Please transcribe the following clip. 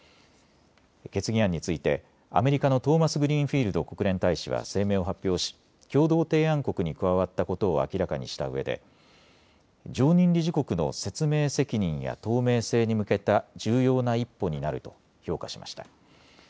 決議案についてアメリカのトーマスグリーンフィールド国連大使は声明を発表し共同提案国に加わったことを明らかにしたうえで常任理事国の説明責任や透明性に向けた重要な一歩になると評価しました。